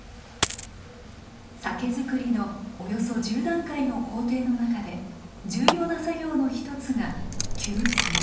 酒造りのおよそ１０段階の工程の中で重要な作業の一つが「吸水」。